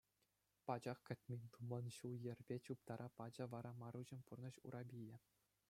Пачах кӗтмен-туман ҫул-йӗрпе чуптара пачӗ вара Маруҫӑн пурнӑҫ урапийӗ.